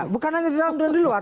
bukan hanya di dalam dan di luar